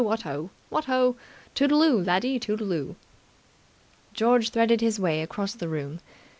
What ho! What ho! Toodle oo, laddie, toodle oo!" George threaded his way across the room.